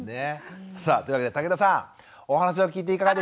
さあというわけで竹田さんお話を聞いていかがですか？